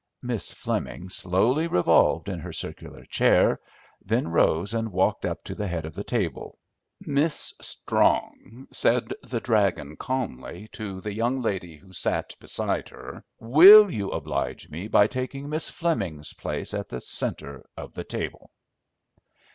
Miss Fleming slowly revolved in her circular chair, then rose and walked up to the head of the table. "Miss Strong," said the "dragon" calmly, to the young lady who sat beside her, "will you oblige me by taking Miss Fleming's place at the centre of the table?"